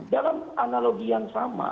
dalam analogi yang sama